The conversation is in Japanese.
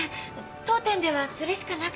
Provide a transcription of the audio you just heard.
当店ではそれしかなくて。